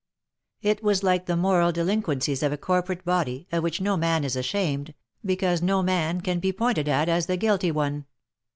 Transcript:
It was like the moral delinquencies of a corporate body, of which no man is ashamed, because no man can be pointed at as the guilty one.